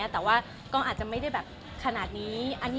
แต่ว่าก็อาจจะไม่ได้แบบขนาดนี้